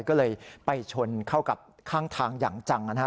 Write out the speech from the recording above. ก็เลยไปชนเข้ากับข้างทางอย่างจังนะฮะ